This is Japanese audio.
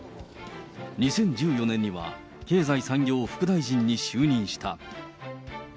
２０１４年には、経済産業副大臣に就任した。